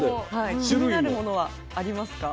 気になるものはありますか？